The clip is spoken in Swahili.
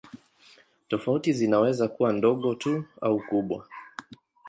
Tofauti zinaweza kuwa ndogo tu au kubwa.